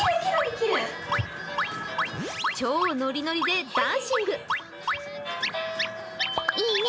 超ノリノリでダンシング。